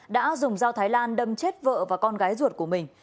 đã dùng dao thái lan đâm chết vợ và con gái ruột của mình